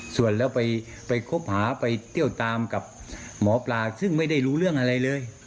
ส่วนแล้วไปคบหาไปเที่ยวตามกับหมอปลาซึ่งไม่ได้รู้เรื่องอะไรเลย